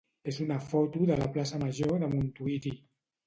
és una foto de la plaça major de Montuïri.